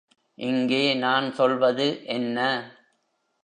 இங்கே நான் சொல்வது என்ன?